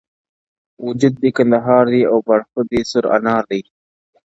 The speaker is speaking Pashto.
• وجود دي کندهار دي او باړخو دي سور انار دی..